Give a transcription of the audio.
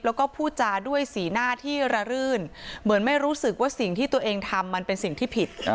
แล้วก็พูดจาด้วยสีหน้าที่ระรื่นเหมือนไม่รู้สึกว่าสิ่งที่ตัวเองทำมันเป็นสิ่งที่ผิด